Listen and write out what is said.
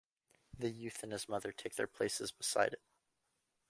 The youth and his mother take their places beside it.